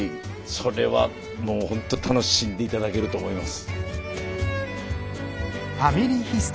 それはもうほんと楽しんで頂けると思います。